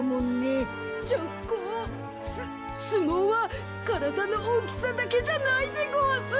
すすもうはからだのおおきさだけじゃないでごわす。